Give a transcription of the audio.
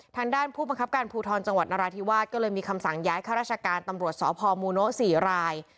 ทางด้านผู้บังคับการภูทรจังหวัดนราธิวาสก็เลยมีคำสั่งย้ายข้าราชการตำรวจสพมูโนะ๔ราย